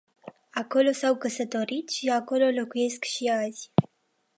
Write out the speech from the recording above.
Acolo s-au căsătorit și acolo locuiesc și azi.